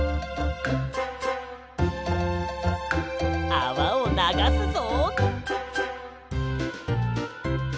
あわをながすぞ。